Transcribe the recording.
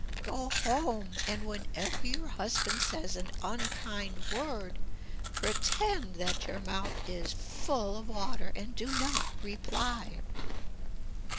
Go home, and whenever your husband says an unkind word pretend that your mouth is full of water and do not reply.